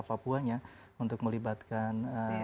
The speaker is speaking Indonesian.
papuanya untuk melibatkan